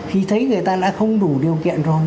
khi thấy người ta đã không đủ điều kiện rồi